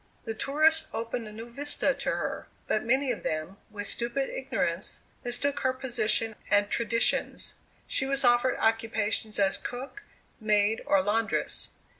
The tourists opened a new vista to her, but many of them, with stupid ignorance, mistook her position and traditions. She was offered occupations as cook, maid, or laundress.